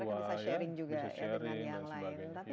jadi mereka bisa sharing juga ya dengan yang lain